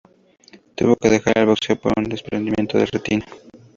Tuvo que dejar el boxeo por un desprendimiento de retina.